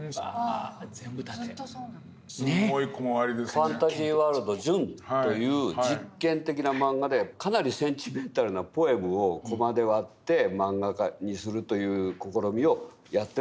「ファンタジーワールドジュン」という実験的なマンガでかなりセンチメンタルなポエムをコマで割ってマンガ化にするという試みをやってるわけです。